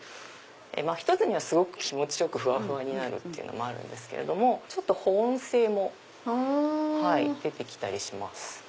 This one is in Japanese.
１つにはすごく気持ちよくふわふわになるのもあるけど保温性も出て来たりします。